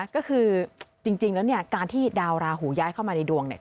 ก็คือจริงแล้วเนี่ยการที่ดาวราหูย้ายเข้ามาในดวงเนี่ย